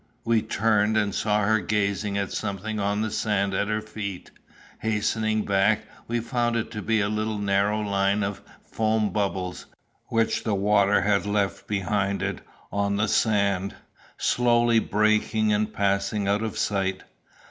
We turned and saw her gazing at something on the sand at her feet. Hastening back, we found it to be a little narrow line of foam bubbles, which the water had left behind it on the sand, slowly breaking and passing out of sight.